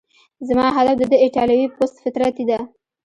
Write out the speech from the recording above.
زما هدف د ده ایټالوي پست فطرتي ده.